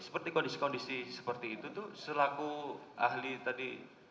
seperti kondisi kondisi seperti itu tuh selaku ahli tadi